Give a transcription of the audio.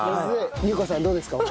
憂子さんどうですか？